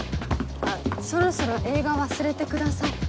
そろそろ映画忘れてください。